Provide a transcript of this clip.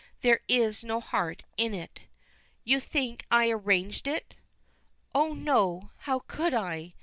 There is no heart in it. "You think I arranged it?" "Oh, no; how could I?